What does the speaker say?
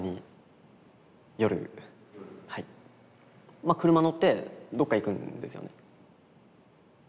まあ車乗ってどっか行くんですよね。